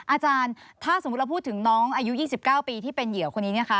อาจารย์ถ้าสมมุติเราพูดถึงน้องอายุ๒๙ปีที่เป็นเหยื่อคนนี้นะคะ